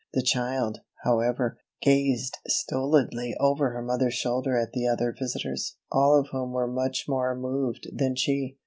The child, however, gazed stolidly over her mother's shoulder at the other visitors, all of whom were much more moved than she.